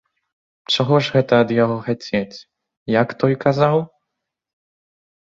Чаго ж гэта ад яго хацець, як той казаў?